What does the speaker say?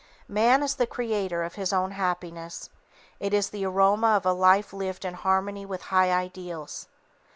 Man is the creator of his own happiness; it is the aroma of a life lived in harmony with high ideals.